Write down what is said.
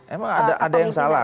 emang ada yang salah